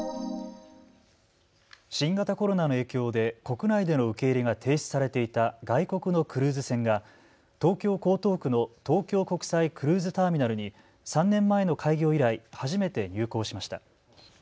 新型コロナの影響で国内での受け入れが停止されていた外国のクルーズ船が東京江東区の東京国際クルーズターミナルに３年前の開業以来、初めて入港しました。